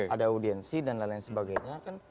ada audiensi dan lain lain sebagainya kan